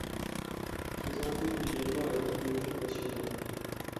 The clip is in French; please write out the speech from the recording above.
Présenté également à la Bibliothèque nationale.